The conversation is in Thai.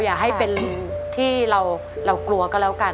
อยากให้เป็นที่เรากลัวก็แล้วกัน